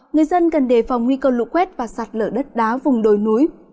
người dân cần đề phòng nguy cơ lũ quét và sạt lở đất đá vùng đồi núi